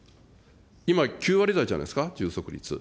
今、９割台じゃないですか、充足率。